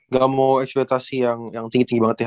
gak mau eksploitasi yang tinggi tinggi banget ya